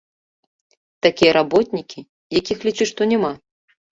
Такія работнікі, якіх лічы што няма.